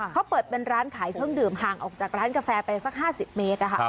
เขาเปิดเป็นร้านขายเครื่องดื่มห่างออกจากร้านกาแฟไปสัก๕๐เมตร